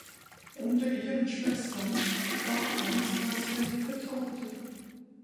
Unter ihren Schwestern war ihr Anastasia die Vertraute.